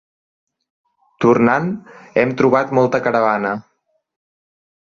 Tornant, hem trobat molta caravana.